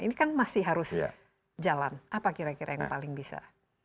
ini kan masih harus jalan apa kira kira yang paling bisa